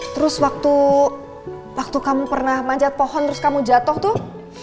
terus waktu kamu pernah manjat pohon terus kamu jatuh tuh